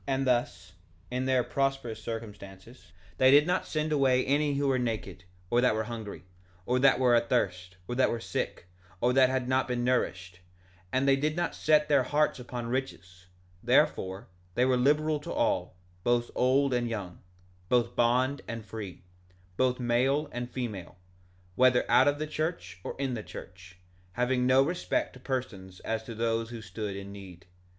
1:30 And thus, in their prosperous circumstances, they did not send away any who were naked, or that were hungry, or that were athirst, or that were sick, or that had not been nourished; and they did not set their hearts upon riches; therefore they were liberal to all, both old and young, both bond and free, both male and female, whether out of the church or in the church, having no respect to persons as to those who stood in need.